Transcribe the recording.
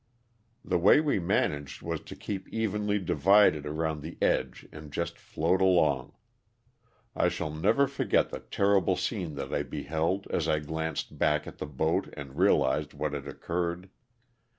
The way we managed was to keep evenly divided around the edge and just float along. I shall never forget the terrible scene that I beheld as I glanced back at the boat and realized what had occurred.